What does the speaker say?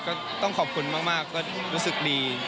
ก็ต้องขอบคุณมากก็รู้สึกดี